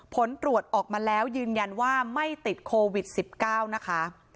ผลตรวจออกมาแล้วยืนยันว่าไม่ติดโควิด๑๙นะคะ